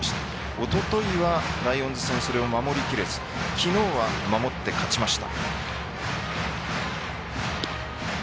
おとといはライオンズ戦それを守りきれずきのうは守って勝ちました。